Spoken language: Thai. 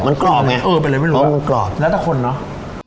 มันกรอบไงเออเป็นอะไรไม่รู้มันกรอบแล้วแต่คนเนอะ